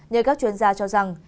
nhờ các chuyên gia cho rằng